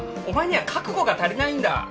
お前には覚悟が足りないんだ。